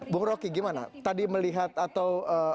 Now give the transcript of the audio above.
bung roky gimana tadi melihat atau